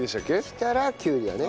きたらきゅうりだね。